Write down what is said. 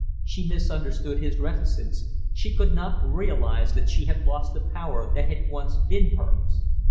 She misunderstood his reticence, she could not realize that she had lost the power that had once been hers.